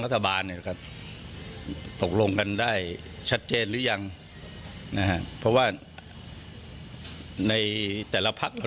รัฐบาลตกลงกันได้ชัดเจนหรือยังเพราะว่าในแต่ละพัก